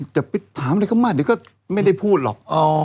จะไปถามอะไรเข้ามาเดี๋ยวก็ไม่ได้พูดหรอก